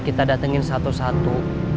kita datengin satu satu